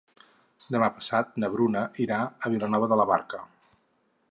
Demà passat na Bruna irà a Vilanova de la Barca.